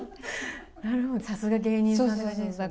なるほど、さすが芸人さんって感じですね。